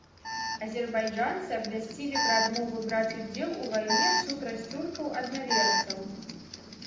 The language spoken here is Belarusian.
Азербайджанцы абвясцілі пра адмову браць удзел у вайне супраць туркаў-аднаверцаў.